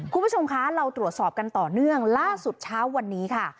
คุณผู้ชมคะเราตรวจสอบกันต่อเนื่องล่าสุดเช้าวันนี้ค่ะ